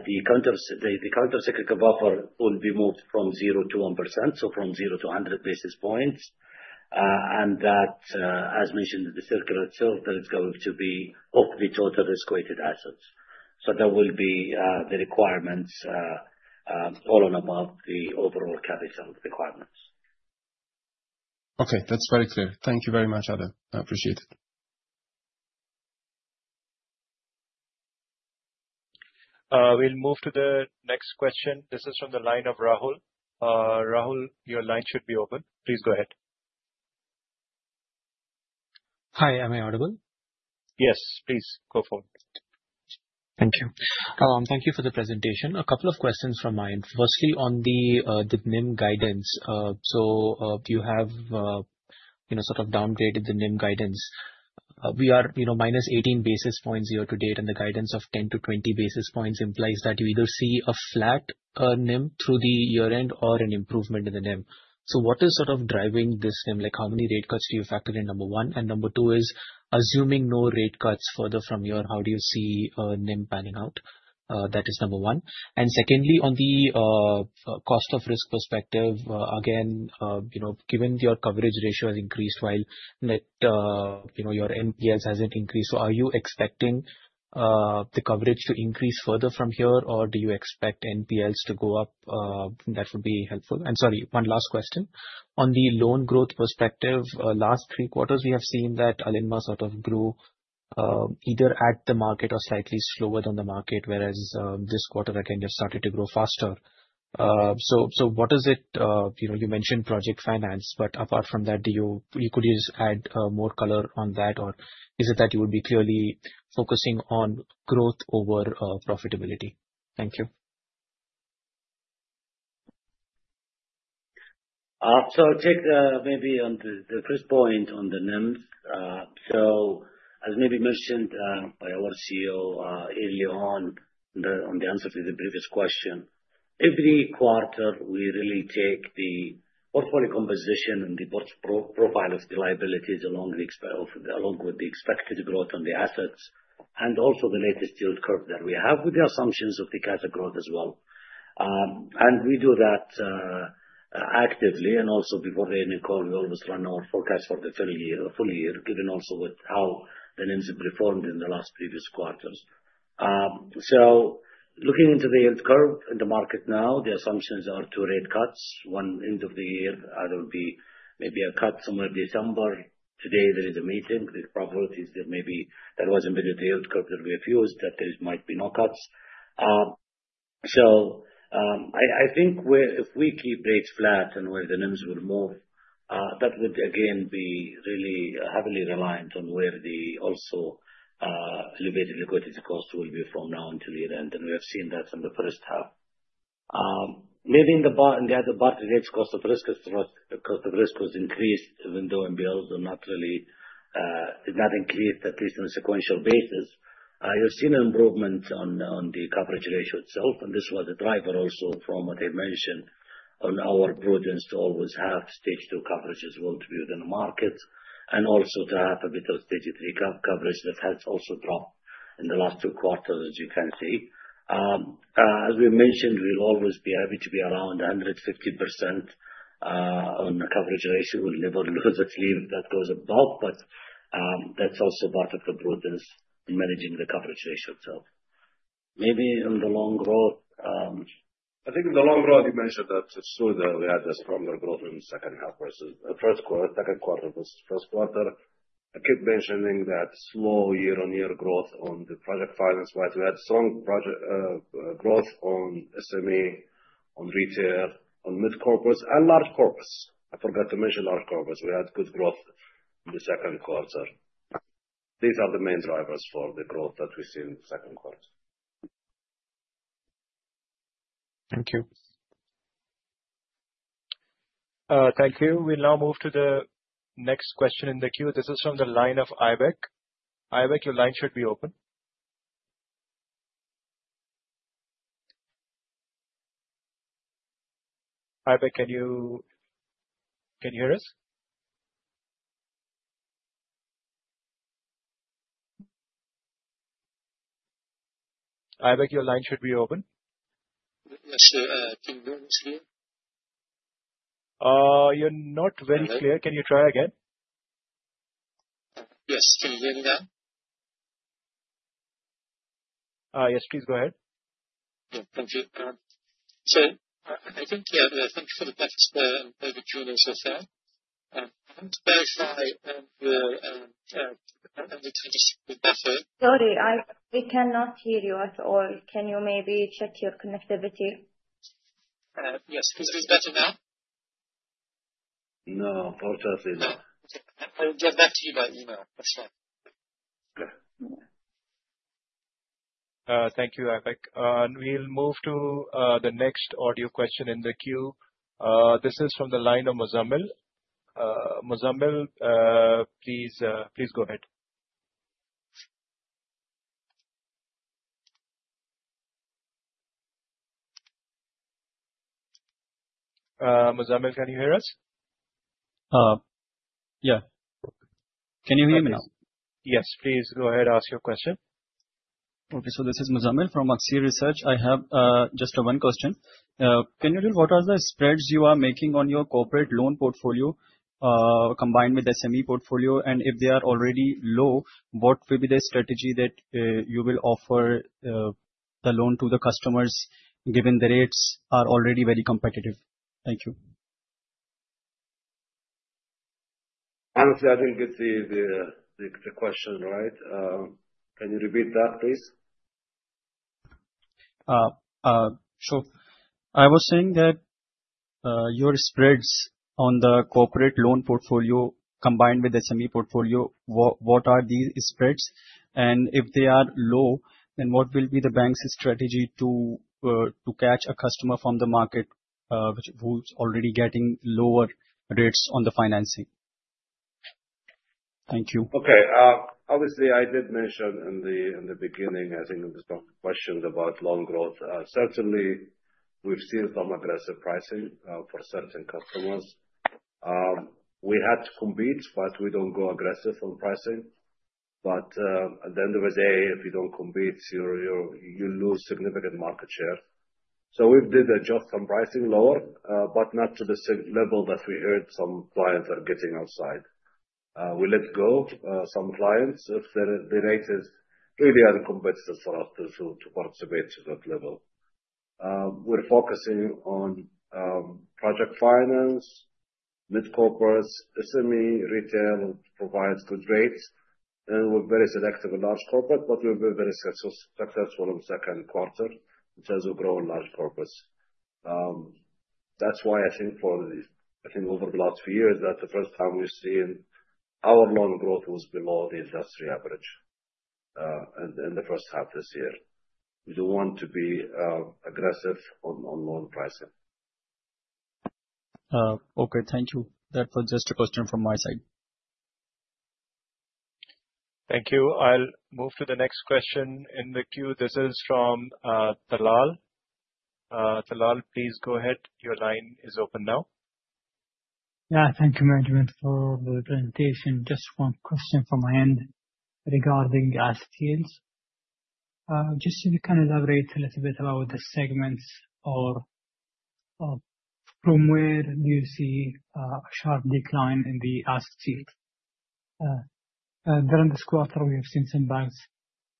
Speaker 4: the countercyclical buffer will be moved from zero to 100%, so from zero to 100 basis points. That, as mentioned in the circular itself, that it's going to be off the total risk-weighted assets. There will be the requirements, all on about the overall capital requirements.
Speaker 9: That's very clear. Thank you very much, Adel. I appreciate it.
Speaker 1: We'll move to the next question. This is from the line of Rahul. Rahul, your line should be open. Please go ahead.
Speaker 10: Am I audible?
Speaker 1: Yes, please. Go for it.
Speaker 10: Thank you. Thank you for the presentation. A couple of questions from my end. Firstly, on the NIM guidance. You have sort of downgraded the NIM guidance. We are -18 basis points year-to-date, and the guidance of 10-20 basis points implies that you either see a flat NIM through the year-end or an improvement in the NIM. What is sort of driving this NIM? Like how many rate cuts do you factor in, number one. Number two is, assuming no rate cuts further from here, how do you see NIM panning out? That is number one. Secondly, on the cost of risk perspective, again, given your coverage ratio has increased while net, your NPLs hasn't increased. Are you expecting the coverage to increase further from here, or do you expect NPLs to go up? That would be helpful. Sorry, one last question. On the loan growth perspective, last three quarters, we have seen that Alinma sort of grew either at the market or slightly slower than the market, whereas this quarter, again, you've started to grow faster. What is it? You mentioned project finance, but apart from that, could you just add more color on that? Or is it that you will be clearly focusing on growth over profitability? Thank you.
Speaker 4: I'll take maybe on the first point on the NIM. As maybe mentioned by our CEO earlier on the answer to the previous question, every quarter, we really take the portfolio composition and the profile of the liabilities along with the expected growth on the assets, and also the latest yield curve that we have with the assumptions of the category growth as well. We do that actively, and also before the annual call, we always run our forecast for the full year, given also with how the NIM have performed in the last previous quarters. Looking into the yield curve in the market now, the assumptions are two rate cuts. One end of the year, there will be maybe a cut somewhere in December. Today, there is a meeting. The probability is that maybe that wasn't really the yield curve that we have used, that there might be no cuts. I think if we keep rates flat and where the NIM will move, that would again be really heavily reliant on where the also elevated liquidity cost will be from now until year-end, and we have seen that in the first half. Maybe on the other part, the rates cost of risk was increased, even though NPL did not increase, at least on a sequential basis. You've seen an improvement on the coverage ratio itself, and this was a driver also from what I mentioned on our prudence to always have Stage 2 coverage as well to be within the market, and also to have a bit of Stage 3 coverage that has also dropped in the last two quarters, as you can see. As we mentioned, we'll always be happy to be around 150% on the coverage ratio. We'll never lose a sleep that goes above. That's also part of the prudence in managing the coverage ratio itself. I think in the long run, you mentioned that it's true that we had less stronger growth in the first quarter, second quarter versus first quarter. I keep mentioning that slow year-on-year growth on the project finance side. We had strong growth on SME, on retail, on mid-corporate, and corporate. I forgot to mention corporate. We had good growth in the second quarter. These are the main drivers for the growth that we see in the second quarter.
Speaker 10: Thank you.
Speaker 1: Thank you. We'll now move to the next question in the queue. This is from the line of Ibak. Ibak, your line should be open. Ibak, can you hear us? Ibak, your line should be open.
Speaker 11: Yes, sir. Can you hear me?
Speaker 1: You're not very clear. Can you try again?
Speaker 11: Yes. Can you hear me now?
Speaker 1: Yes, please go ahead.
Speaker 11: Yeah. Thank you. I think, yeah, thank you for the inaudible. I want to verify your inaudible.
Speaker 2: Sorry, we cannot hear you at all. Can you maybe check your connectivity?
Speaker 11: Yes. Is this better now?
Speaker 4: No. Unfortunately, no.
Speaker 11: I will get back to you by email. That's fine.
Speaker 4: Okay.
Speaker 1: Thank you, Ibak. We'll move to the next audio question in the queue. This is from the line of Mozamel. Mozamel, please go ahead. Mozamel, can you hear us?
Speaker 12: Yeah. Can you hear me?
Speaker 1: Yes. Please go ahead, ask your question.
Speaker 12: Okay. This is Mozamel from Axi Research. I have just one question. Can you tell what are the spreads you are making on your corporate loan portfolio, combined with the SME portfolio? If they are already low, what will be the strategy that you will offer the loan to the customers, given the rates are already very competitive? Thank you.
Speaker 4: Honestly, I didn't get the question right. Can you repeat that, please?
Speaker 12: Sure. I was saying that your spreads on the corporate loan portfolio combined with SME portfolio, what are these spreads? If they are low, what will be the bank's strategy to catch a customer from the market who's already getting lower rates on the financing? Thank you.
Speaker 4: Okay. Obviously, I did mention in the beginning, I think it was Tom who questioned about loan growth. Certainly, we've seen some aggressive pricing for certain customers. We had to compete, but we don't go aggressive on pricing. At the end of the day, if you don't compete, you lose significant market share. We did adjust some pricing lower, but not to the same level that we heard some clients are getting outside. We let go some clients if the rate is really uncompetitive for us to participate to that level.
Speaker 3: We're focusing on project finance, mid-corporates, the semi-retail provides good rates, and we're very selective in large corporate, but we've been very successful in the second quarter in terms of growing large corporates. That's why I think over the last few years, that's the first time we've seen our loan growth was below the industry average in the first half this year. We do want to be aggressive on loan pricing.
Speaker 12: Okay. Thank you. That was just a question from my side.
Speaker 1: Thank you. I'll move to the next question in the queue. This is from Talal. Talal, please go ahead. Your line is open now.
Speaker 11: Yeah. Thank you, management, for the presentation. Just one question from my end regarding asset yields. Just if you can elaborate a little bit about the segments or from where do you see a sharp decline in the asset yield? During this quarter, we have seen some banks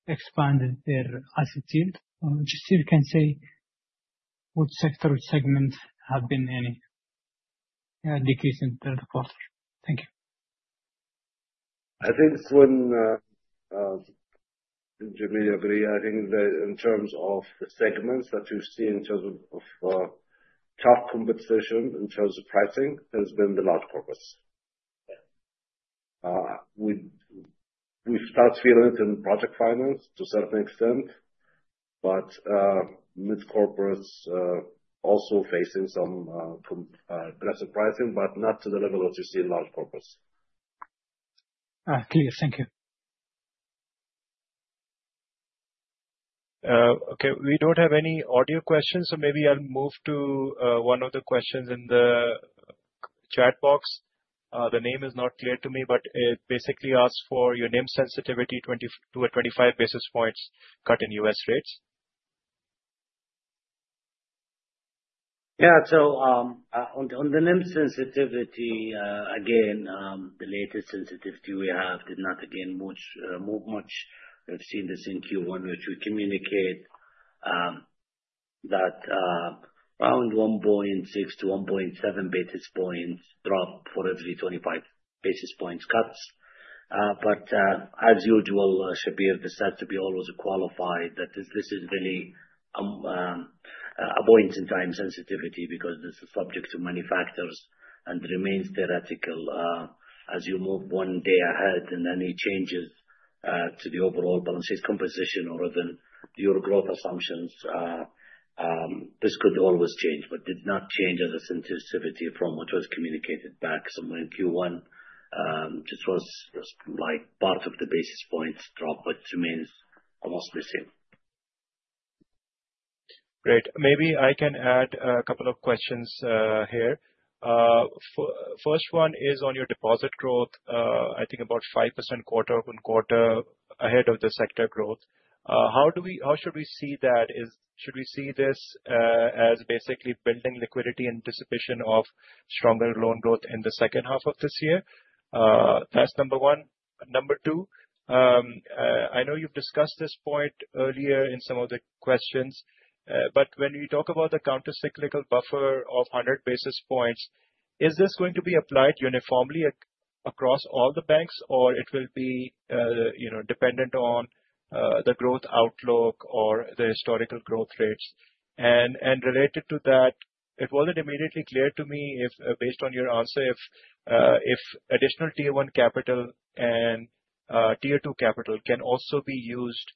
Speaker 11: expanded their asset yield. Just if you can say which sector or segments have been in a decrease in the quarter. Thank you.
Speaker 3: I think, Jameel will agree, I think that in terms of the segments that you see in terms of tough competition in terms of pricing has been the large corporates. We've started feeling it in project finance to a certain extent, but mid-corporates are also facing some aggressive pricing, but not to the level that you see in large corporates.
Speaker 11: Clear. Thank you.
Speaker 1: We don't have any audio questions, maybe I'll move to one of the questions in the chat box. The name is not clear to me, but it basically asks for your NIM sensitivity to a 25 basis points cut in U.S. rates.
Speaker 3: On the NIM sensitivity, again, the latest sensitivity we have did not again move much. We've seen this in Q1, which we communicate that around 1.6 to 1.7 basis points drop for every 25 basis points cuts. As usual, Shabbir, this has to be always qualified that this is really a point in time sensitivity because this is subject to many factors and remains theoretical. As you move one day ahead and any changes to the overall balance sheet composition or the euro growth assumptions, this could always change, but did not change as a sensitivity from what was communicated back somewhere in Q1. Just was part of the basis points drop, but remains almost the same.
Speaker 1: Great. Maybe I can add a couple of questions here. First one is on your deposit growth. I think about 5% quarter on quarter ahead of the sector growth. How should we see that? Should we see this as basically building liquidity in anticipation of stronger loan growth in the second half of this year? That's number one. Number two, I know you've discussed this point earlier in some of the questions, but when you talk about the countercyclical buffer of 100 basis points, is this going to be applied uniformly across all the banks or it will be dependent on the growth outlook or the historical growth rates? Related to that, it wasn't immediately clear to me based on your answer, if additional Tier 1 capital and Tier 2 capital can also be used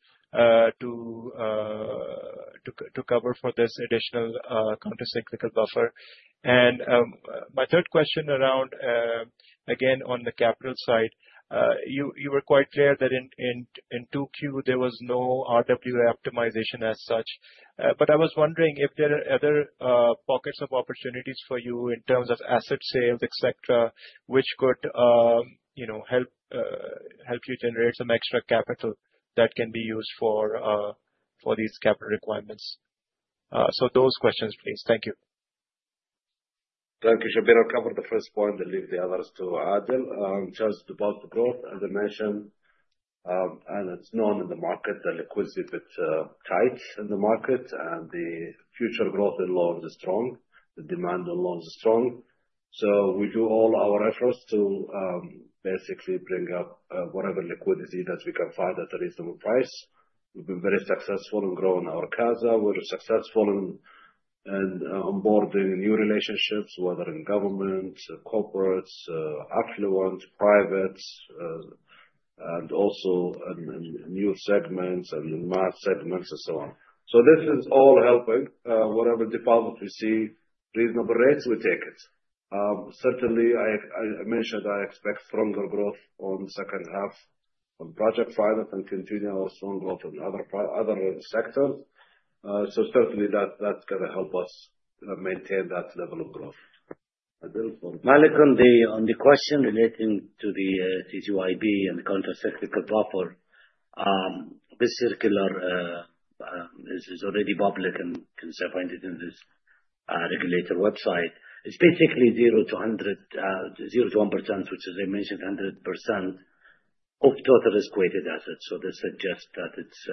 Speaker 1: to cover for this additional countercyclical buffer. My third question around, again, on the capital side. You were quite clear that in 2Q, there was no RWA optimization as such. I was wondering if there are other pockets of opportunities for you in terms of asset sales, et cetera, which could help you generate some extra capital that can be used for these capital requirements. Those questions, please. Thank you.
Speaker 3: Thank you, Shabbir. I'll cover the first point and leave the others to Adel. In terms about the growth, as I mentioned, and it's known in the market, the liquidity bit tight in the market and the future growth in loans is strong. The demand on loans is strong. We do all our efforts to basically bring up whatever liquidity that we can find at a reasonable price. We've been very successful in growing our CASA. We're successful in onboarding new relationships, whether in government, corporates, affluent, privates, and also in new segments and mass segments and so on. This is all helping. Whatever deposit we see reasonable rates, we take it. Certainly, I mentioned I expect stronger growth on second half on project finance and continue our strong growth in other sectors. Certainly that's going to help us maintain that level of growth. Adel.
Speaker 4: Malek, on the question relating to the CCyB and countercyclical buffer. This circular is already public and can be found in this. regulator website. It's basically 0% to 1%, which, as I mentioned, 100% of total risk-weighted assets. This suggests that it's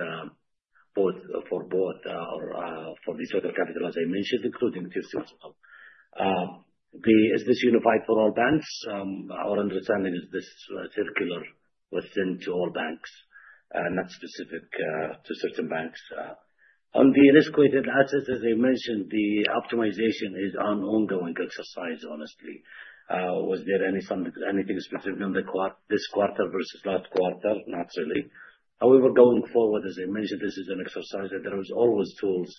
Speaker 4: for this sort of capital, as I mentioned, including Tier 1 capital. Is this unified for all banks? Our understanding is this circular was sent to all banks, not specific to certain banks. On the risk-weighted assets, as I mentioned, the optimization is an ongoing exercise, honestly. Was there anything specific on this quarter versus last quarter? Not really. Going forward, as I mentioned, this is an exercise that there is always tools.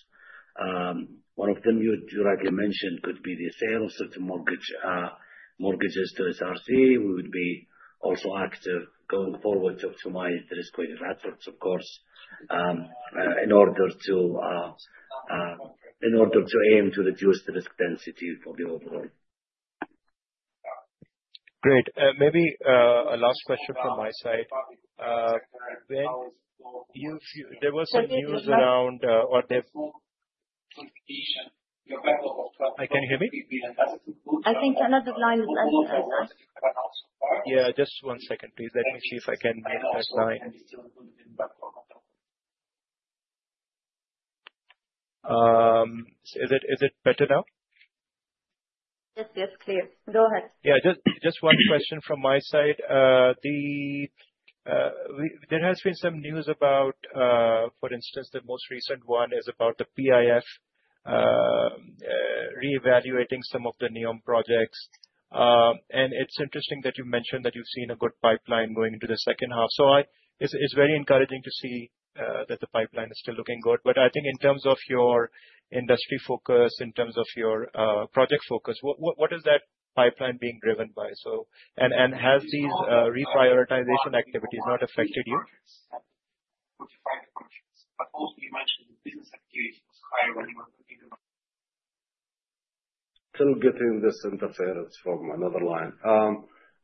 Speaker 4: One of them, like you mentioned, could be the sales of the mortgages to SRC. We would be also active going forward to optimize the risk-weighted assets, of course, in order to aim to reduce the risk density for the overall.
Speaker 1: Great. Maybe a last question from my side. There was some news around.
Speaker 3: Can you hear me?
Speaker 1: Can you hear me?
Speaker 2: I think another line has opened.
Speaker 1: Yeah, just one second, please. Let me see if I can mute that line. Is it better now?
Speaker 2: Yes, clear. Go ahead.
Speaker 1: Yeah, just one question from my side. There has been some news about, for instance, the most recent one is about the PIF reevaluating some of the NEOM projects. It's interesting that you mentioned that you've seen a good pipeline going into the second half. It's very encouraging to see that the pipeline is still looking good. I think in terms of your industry focus, in terms of your project focus, what is that pipeline being driven by? Has these reprioritization activities not affected you?
Speaker 3: Still getting this interference from another line.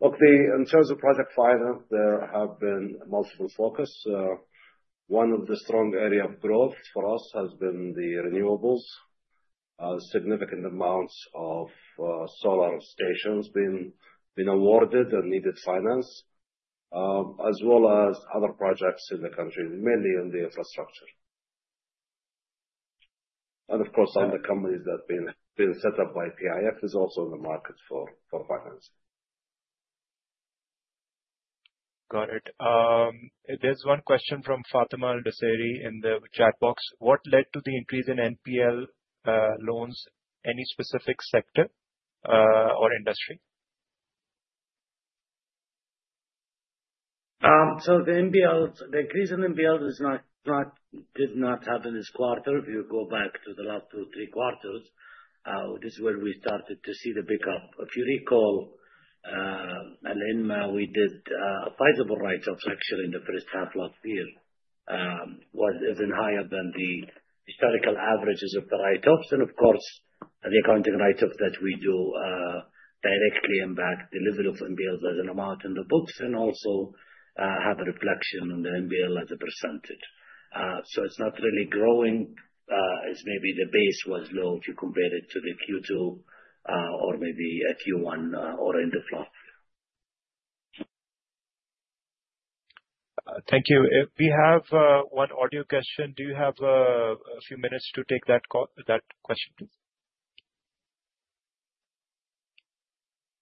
Speaker 3: In terms of project finance, there have been multiple focus. One of the strong area of growth for us has been the renewables. Significant amounts of solar stations being awarded and needed finance, as well as other projects in the country, mainly in the infrastructure. Of course, other companies that have been set up by PIF is also in the market for finance.
Speaker 1: Got it. There's one question from Fatima Al-Dosari in the chat box. What led to the increase in NPL loans? Any specific sector or industry?
Speaker 3: The increase in NPL did not happen this quarter. If you go back to the last two, three quarters, this is where we started to see the pickup. If you recall, Alinma, we did a sizable write-offs actually in the first half last year, was even higher than the historical averages of the write-offs. Of course, any accounting write-ups that we do directly impact the level of NPL as an amount in the books and also have a reflection on the NPL as a percentage. It's not really growing as maybe the base was low if you compare it to the Q2 or maybe a Q1 or end of last.
Speaker 1: Thank you. We have one audio question. Do you have a few minutes to take that question, please?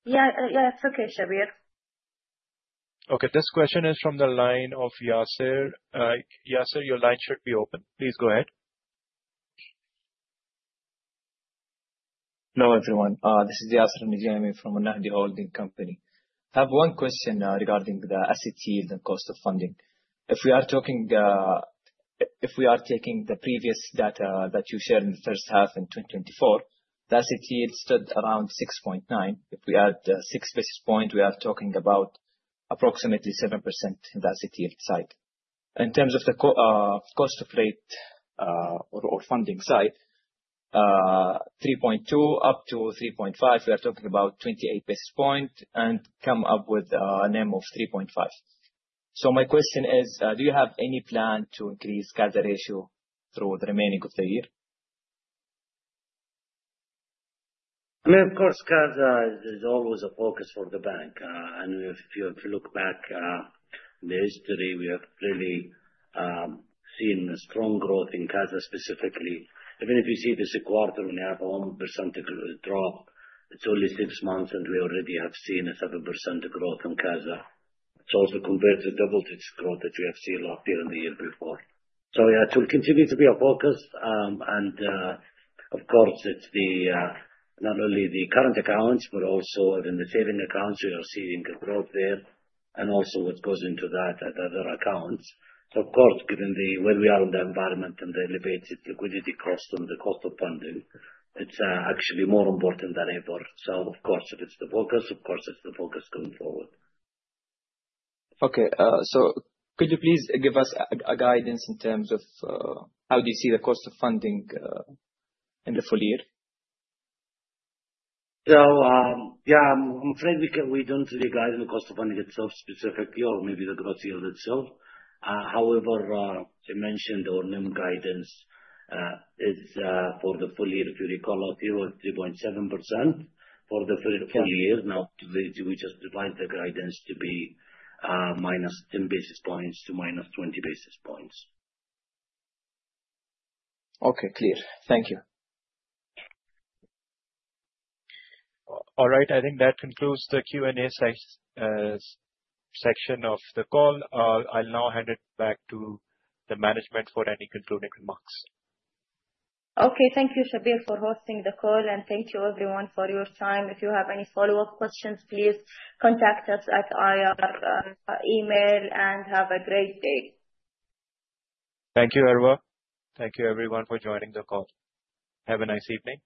Speaker 2: Yeah, it's okay, Shabbir.
Speaker 1: Okay. This question is from the line of Yasir. Yasir, your line should be open. Please go ahead.
Speaker 13: Hello, everyone. This is Yasir Al-Nijami from Al Nahdi Holding Company. I have one question regarding the asset yield and cost of funding. If we are taking the previous data that you shared in the first half in 2024, the asset yield stood around 6.9%. If we add six basis points, we are talking about approximately 7% in the asset yield side. In terms of the cost of rate or funding side, 3.2% up to 3.5%, we are talking about 28 basis points and come up with a NIM of 3.5%. My question is, do you have any plan to increase CASA ratio through the remaining of the year?
Speaker 3: I mean, of course, CASA is always a focus for the bank. If you look back in the history, we have really seen a strong growth in CASA specifically. Even if you see this quarter, we have a one percentile drop. It's only six months, and we already have seen a 7% growth in CASA. It's also compared to double-digit growth that we have seen last year and the year before. Yeah, it will continue to be a focus. Of course, it's not only the current accounts but also even the saving accounts, we are seeing a growth there and also what goes into that and other accounts. Of course, given where we are in the environment and the elevated liquidity cost and the cost of funding, it's actually more important than ever. Of course, it is the focus. Of course, it's the focus going forward.
Speaker 13: Okay. Could you please give us a guidance in terms of how do you see the cost of funding in the full year?
Speaker 3: Yeah, I'm afraid we don't really guide on the cost of funding itself specifically, or maybe the growth yield itself. However, I mentioned our NIM guidance is for the full year, if you recall, at 3.7% for the full year. Now we just revised the guidance to be -10 basis points to -20 basis points.
Speaker 13: Okay. Clear. Thank you.
Speaker 1: All right. I think that concludes the Q&A section of the call. I'll now hand it back to the management for any concluding remarks.
Speaker 2: Okay. Thank you, Shabbir, for hosting the call, and thank you everyone for your time. If you have any follow-up questions, please contact us at our email and have a great day.
Speaker 1: Thank you, Arwa. Thank you everyone for joining the call. Have a nice evening.